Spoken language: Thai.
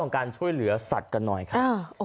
การช่วยเหลือสัตว์กันหน่อยค่ะ